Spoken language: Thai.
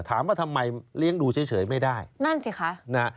ถามว่าทำไมเลี้ยงดูเฉยไม่ได้นั่นสิคะนะฮะ